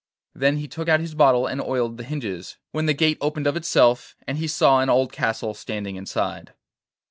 Then he took out his bottle and oiled the hinges, when the gate opened of itself, and he saw an old castle standing inside.